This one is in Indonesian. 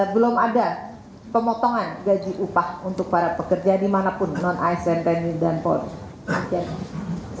belum ada pemotongan gaji upah untuk para pekerja dimanapun non asn tni dan polri